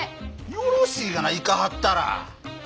よろしいがな行かはったら。